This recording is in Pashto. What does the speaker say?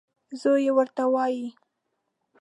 زوی یې ورته وايي .